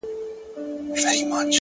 په سپينه زنه كي خال ووهي ويده سمه زه،